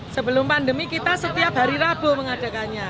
sebelum pandemi kita setiap hari rabu mengadakannya